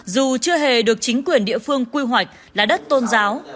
dù chưa hề được chính quyền địa phương quy hoạch là đất tôn giáo